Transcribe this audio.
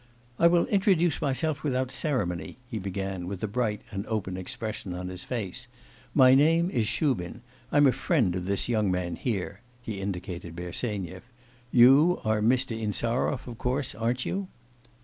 'I will introduce myself without ceremony,' he began with a bright and open expression on his face. 'My name is Shubin; I'm a friend of this young man here' (he indicated Bersenyev). 'You are Mr. Insarov, of course, aren't you?